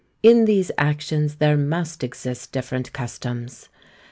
In these actions there must exist different customs.